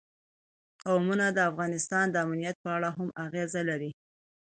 قومونه د افغانستان د امنیت په اړه هم اغېز لري.